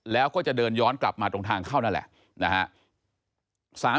แล้วก็จะเดินย้อนกลับมาตรงทางเข้านั่นแหละนะฮะ